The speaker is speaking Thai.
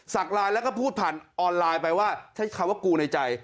ไลน์แล้วก็พูดผ่านออนไลน์ไปว่าใช้คำว่ากูในใจ